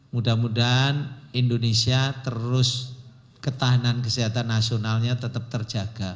mudah mudahan indonesia terus ketahanan kesehatan nasionalnya tetap terjaga